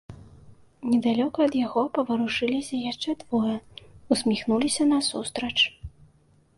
Недалёка ад яго паварушыліся яшчэ двое, усміхнуліся насустрач.